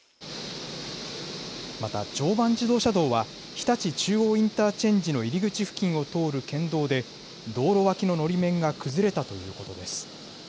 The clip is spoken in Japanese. また常磐自動車道は、日立中央インターチェンジの入り口付近を通る県道で、道路脇ののり面が崩れたということです。